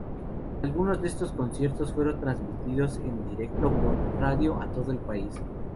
Algunos de estos conciertos fueron retransmitidos en directo por radio a todo el país.